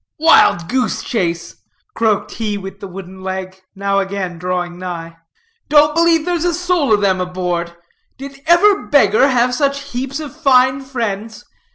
"Wild goose chase!" croaked he with the wooden leg, now again drawing nigh. "Don't believe there's a soul of them aboard. Did ever beggar have such heaps of fine friends?